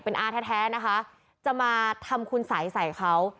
อาแท้นะคะจะมาทำคุณสัยใส่เขา